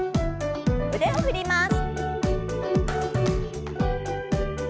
腕を振ります。